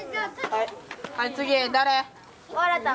はい次誰？